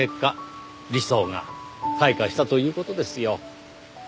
理想が開花したという事ですよ。